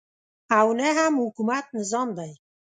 او نه هم حکومت نظام دی.